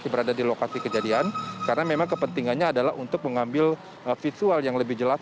berada di lokasi kejadian karena memang kepentingannya adalah untuk mengambil visual yang lebih jelas